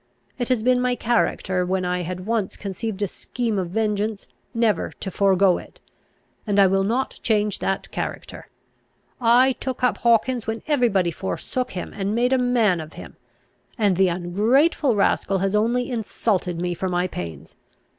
It has been my character, when I had once conceived a scheme of vengeance, never to forego it; and I will not change that character. I took up Hawkins when every body forsook him, and made a man of him; and the ungrateful rascal has only insulted me for my pains.